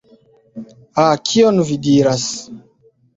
Ha, kion vi diras!